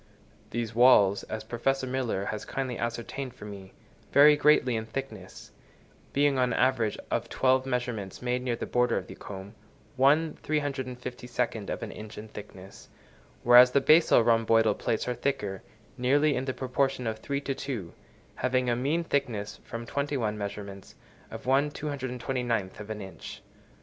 These walls, as Professor Miller has kindly ascertained for me, vary greatly in thickness; being, on an average of twelve measurements made near the border of the comb, 1/353 of an inch in thickness; whereas the basal rhomboidal plates are thicker, nearly in the proportion of three to two, having a mean thickness, from twenty one measurements, of 1/229 of an inch.